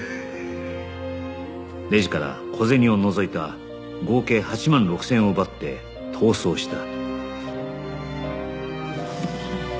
レジから小銭を除いた合計８万６０００円を奪って逃走した